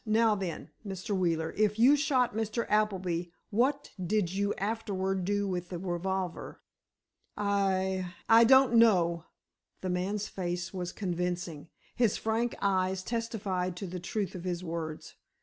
Now, then, Mr. Wheeler, if you shot Mr. Appleby, what did you afterward do with your revolver?" "I—I don't know." The man's face was convincing. His frank eyes testified to the truth of his words.